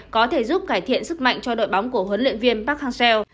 có thể giúp cải thiện sức mạnh cho đội bóng của huấn luyện viên park hang seo